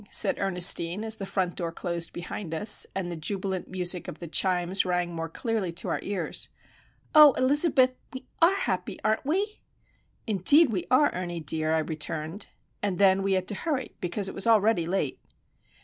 '" said Ernestine, as the front door closed behind us, and the jubilant music of the chimes rang more clearly to our ears. "Oh, Elizabeth, we are happy, aren't we?" "Indeed we are, Ernie dear," I returned. And then we had to hurry, since it was already late.